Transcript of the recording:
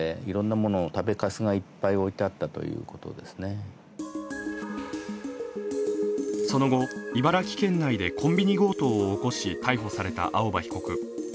更にその後、茨城県内でコンビニ強盗を起こし、逮捕された青葉被告。